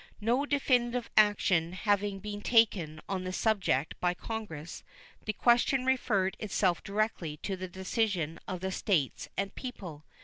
No definitive action having been taken on the subject by Congress, the question referred itself directly to the decision of the States and people.